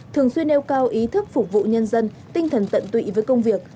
thường xuyên nêu cao ý thức phục vụ nhân dân tinh thần tận tụy với công việc